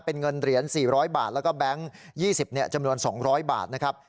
เป็นเงินเหรียญสี่ร้อยบาทแล้วก็แบงค์ยี่สิบเนี่ยจำนวนสองร้อยบาทนะครับ